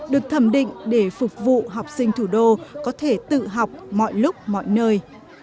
được thẩm định để phục vụ học sinh thủ đô có thể tự học mọi lúc mọi nơi